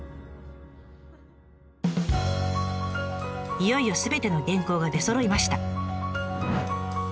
いよいよすべての原稿が出そろいました。